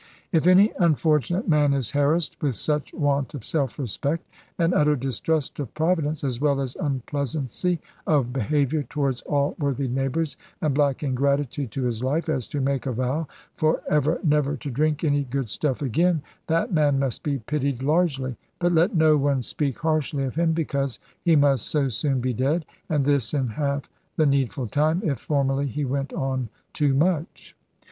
If any unfortunate man is harassed with such want of self respect, and utter distrust of Providence, as well as unpleasancy of behaviour towards all worthy neighbours, and black ingratitude to his life, as to make a vow for ever never to drink any good stuff again, that man must be pitied largely; but let no one speak harshly of him; because he must so soon be dead. And this in half the needful time, if formerly he went on too much.